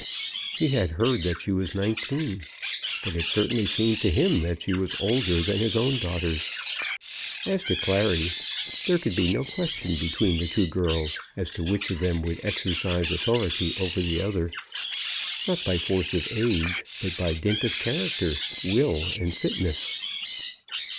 He had heard that she was nineteen, but it certainly seemed to him that she was older than his own daughters. As to Clary, there could be no question between the two girls as to which of them would exercise authority over the other, not by force of age, but by dint of character, will, and fitness.